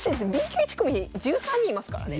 Ｂ級１組１３人いますからね。